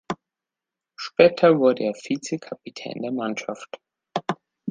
Später wurde er Vize-Kapitän der Mannschaft.